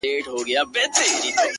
د وجود غړي د هېواد په هديره كي پراته ـ